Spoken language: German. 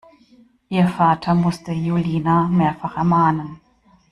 Ihr Vater musste Julina mehrfach ermahnen.